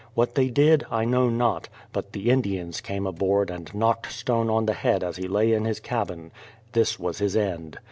What they did, I know not; but the Indians came aboard and knocked Stone on the head as he lay in his cabin; this was his end.